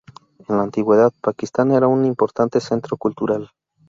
En la antigüedad, Pakistán era un importante centro cultural.